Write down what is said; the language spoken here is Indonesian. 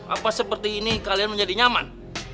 apa seperti ini kalian menjadi nyaman